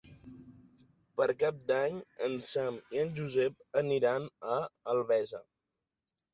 Per Cap d'Any en Sam i en Josep aniran a Albesa.